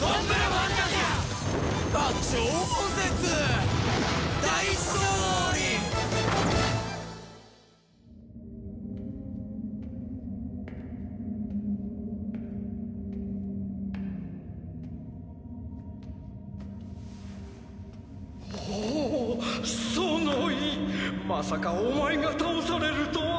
まさかお前が倒されるとは。